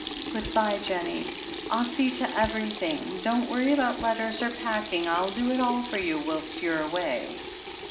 "Good bye, Jennie! I'll see to everything— don't worry about letters or packing — FU do it all for you whilst you're away."